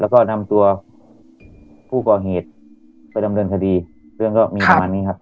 แล้วก็นำตัวผู้ก่อเหตุไปดำเนินคดีเรื่องก็มีประมาณนี้ครับ